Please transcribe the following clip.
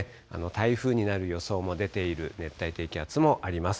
台風になる予想も出ている熱帯低気圧もあります。